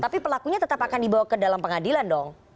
tapi pelakunya tetap akan dibawa ke dalam pengadilan dong